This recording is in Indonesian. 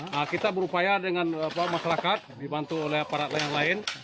nah kita berupaya dengan masyarakat dibantu oleh aparat lain